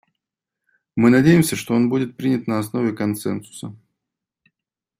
Мы надеемся, что он будет принят на основе консенсуса.